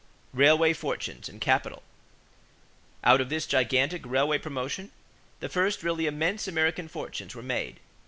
=Railway Fortunes and Capital.= Out of this gigantic railway promotion, the first really immense American fortunes were made.